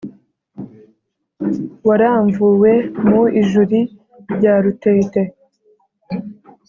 Waramvuwe mu ijuli rya Rutete